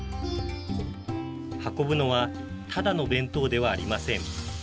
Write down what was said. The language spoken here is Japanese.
運ぶのは、ただの弁当ではありません。